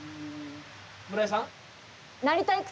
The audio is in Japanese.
村井さん？